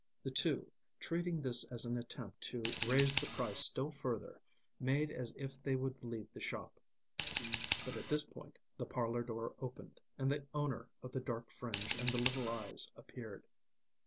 The two, treating this as an attempt to raise the price still further, made as if they would leave the shop. But at this point the parlour door opened, and the owner of the dark fringe and the little eyes appeared.